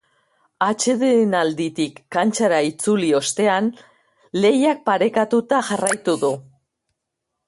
Atsedenalditik kantxara itzuli ostean, lehiak parekatuta jarraitu du.